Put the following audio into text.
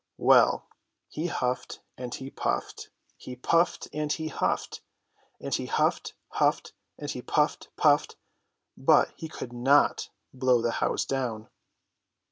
Well ! He huffed and he puffed. He puffed and he huffed. And he huffed, huffed, and he puffed, puffed ; but he could not blow the house down.